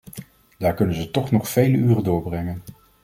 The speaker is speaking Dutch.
Daar kunnen ze toch nog vele uren doorbrengen.